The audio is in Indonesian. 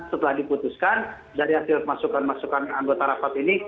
setelah diputuskan dari hasil masukan masukan anggota rapat ini